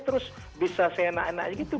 terus bisa seenak enaknya gitu